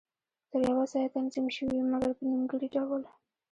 تر یوه ځایه تنظیم شوې وې، مګر په نیمګړي ډول.